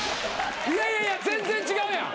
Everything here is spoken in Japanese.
いやいや全然違うやん。